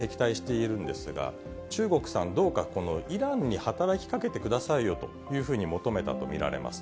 これ、イランというのはイスラエルと長年、敵対しているんですが、中国さん、どうかこのイランに働きかけてくださいよというふうに求めたと見られます。